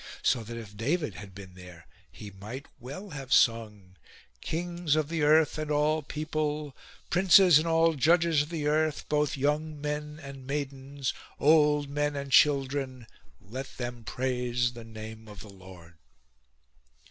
So that if David had been there he might well have sung :" Kings of the earth and all people ; princes and all judges of the earth ; both young men and maidens ; old men and children let them praise the name of the Lord."